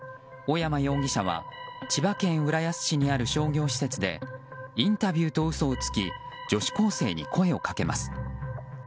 小山容疑者は千葉県浦安市にある商業施設でインタビューと嘘をつき女子高生に声をかけます。